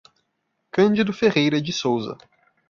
Candido Ferreira de Souza